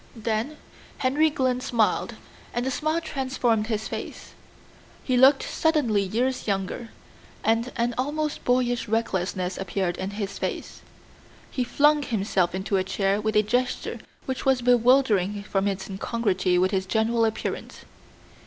Then Henry Glynn smiled and the smile transformed his face. He looked suddenly years younger, and an almost boyish recklessness appeared in his face. He flung himself into a chair with a gesture which was bewildering from its incongruity with his general appearance.